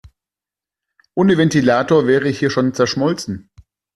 Ohne Ventilator wäre ich hier schon zerschmolzen.